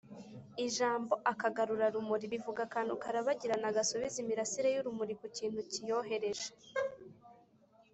ijambo’’akagarura-rumuri’’bivuga akantu karabagirana gasubiza imirasire y’urumuri ku kintu kiyohereje